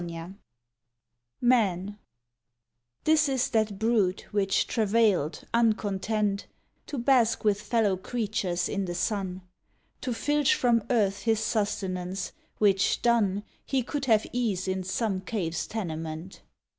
72 MAN This is that brute which travailed, uncontent To bask with fellow creatures in the sun, To filch from earth his sustenance, which done, He could have ease in some cave s tenement.